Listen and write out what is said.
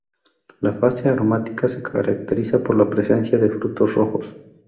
La fase aromática se caracteriza por la presencia de frutos rojos.